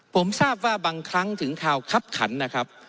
ผมทราบว่าบางครั้งถึงข่าวคับขันนะครับ